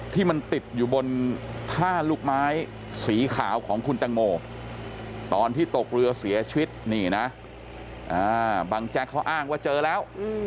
ที่มันติดอยู่บนท่าลูกไม้สีขาวของคุณตังโมตอนที่ตกเรือเสียชีวิตนี่นะบังแจ๊กเขาอ้างว่าเจอแล้ว